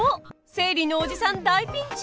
生理のおじさん大ピンチ！